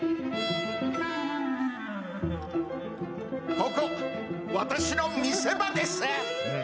ここ私の見せ場ですね。